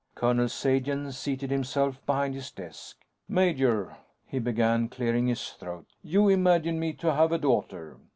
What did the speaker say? Colonel Sagen seated himself behind his desk. "Major," he began, clearing his throat, "you imagine me to have a daughter.